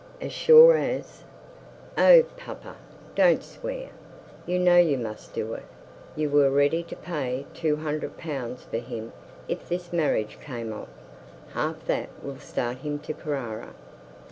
'As sure as ' 'Oh papa, don't swear. You know you must do it. You were ready to pay two hundred pounds for him if the marriage came off. Half that will start him to Carrara.'